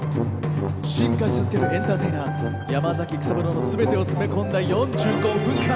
進化し続けるエンターテイナー山崎育三郎のすべてを詰め込んだ４５分間。